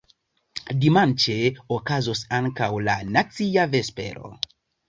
Dimanĉe okazos ankaŭ la nacia vespero.